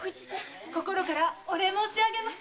心からお礼申しあげます。